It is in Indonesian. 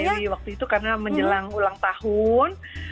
oh iya sang dewi waktu itu karena menjelang ulang tahun